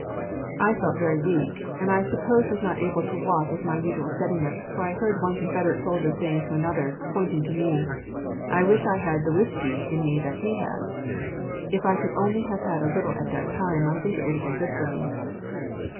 I felt very weak, and I suppose was not able to walk with my usual steadiness, for I heard one Confederate soldier say to another, pointing to me, "I wish I had the whiskey in me that he has." If I only could have had a little at that time, I think it would have been good for me.